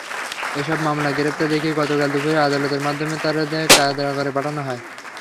এসব মামলায় গ্রেপ্তার দেখিয়ে গতকাল দুপুরে আদালতের মাধ্যমে তাঁকে কারাগারে পাঠানো হয়।